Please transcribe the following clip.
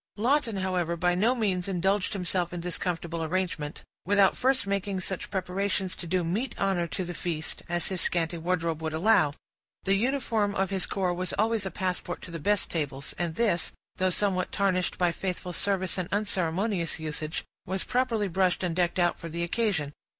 Lawton, however, by no means indulged himself in this comfortable arrangement, without first making such preparations to do meet honor to the feast, as his scanty wardrobe would allow. The uniform of his corps was always a passport to the best tables, and this, though somewhat tarnished by faithful service and unceremonious usage, was properly brushed and decked out for the occasion.